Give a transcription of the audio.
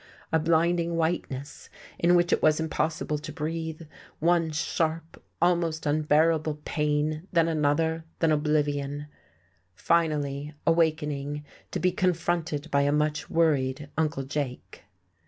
a blinding whiteness, in which it was impossible to breathe, one sharp, almost unbearable pain, then another, then oblivion.... Finally, awakening, to be confronted by a much worried Uncle Jake.